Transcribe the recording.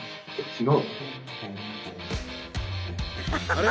あれ？